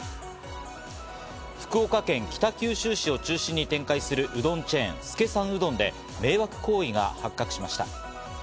福岡県北九州市を中心に展開するうどんチェーン・資さんうどんで、迷惑行為が発覚しました。